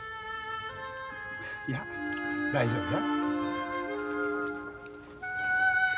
いや大丈夫や。